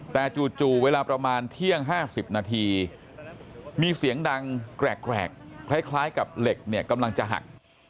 แต่จู่เวลาประมาณเที่ยง๕๐นาทีมีเสียงดังแกรกคล้ายกับเหล็กเนี่ยกำลังจะหัก